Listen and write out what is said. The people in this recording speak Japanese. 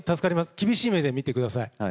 厳しい目で見てください。